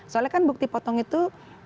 soalnya kan bukti potong itu